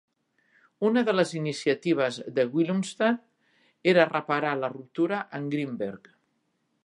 Una de les iniciatives de Willumstad era reparar la ruptura amb Greenberg.